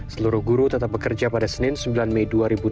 seluruh guru tetap bekerja pada senin sembilan mei dua ribu dua puluh